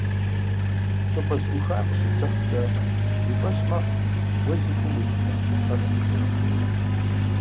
ЩӀыпӀэ зэӀухар къыщуплъыхькӀэ, уи фӀэщ мэхъу уэ зи кум уит нэплъыхьыр зэрыхъурейм.